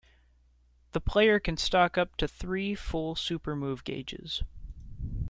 The player can stock up to three full Super Move gauges.